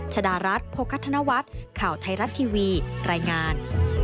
ชดารัฐโภคธนวัฒน์ข่าวไทยรัฐทีวีรายงาน